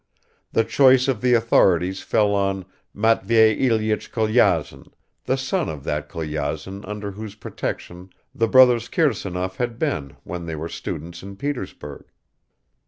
The choice of the authorities fell on Matvei Ilyich Kolyazin, the son of that Kolyazin under whose protection the brothers Kirsanov had been when they were students in Petersburg.